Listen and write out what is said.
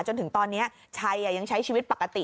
จนถึงตอนนี้ชัยยังใช้ชีวิตปกติ